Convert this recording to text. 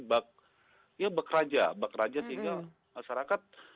bak ya bak raja bak raja tinggal